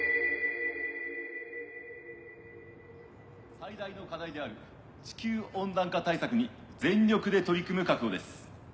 最大の課題である地球温暖化対策に全力で取り組む覚悟です。